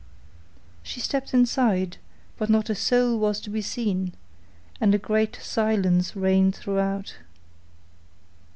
She stepped inside, but not a soul was to be seen, and a great silence reigned throughout.